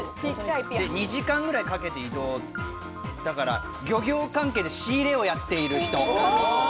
２時間くらいかけて移動だから、漁業関係で仕入れをやっている人。